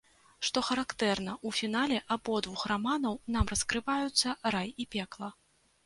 Што характэрна, у фінале абодвух раманаў нам раскрываюцца рай і пекла.